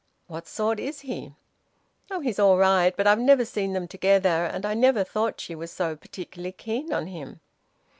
What sort is he?" "Oh! He's all right. But I've never seen them together, and I never thought she was so particularly keen on him."